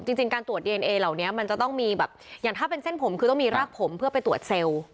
จริงการตรวจดีเอนเอเหล่านี้มันจะต้องมีแบบอย่างถ้าเป็นเส้นผมคือต้องมีรากผมเพื่อไปตรวจเซลล์